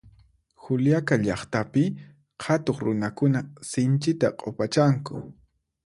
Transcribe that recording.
Juliaca llaqtapi qhatuq runakuna sinchita q'upachanku